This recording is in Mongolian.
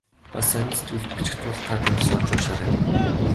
Бас сонин сэтгүүлд бичих тул та тэндээс олж уншаарай.